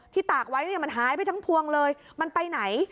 ตากไว้เนี่ยมันหายไปทั้งพวงเลยมันไปไหน